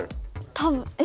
多分え？